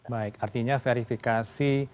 baik artinya verifikasi